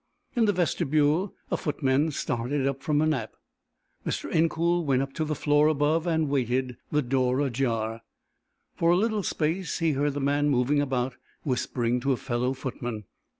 In the vestibule a footman started from a nap. Mr. Incoul went up to the floor above and waited, the door ajar. For a little space he heard the man moving about, whispering to a fellow footman.